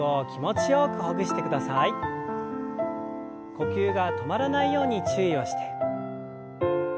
呼吸が止まらないように注意をして。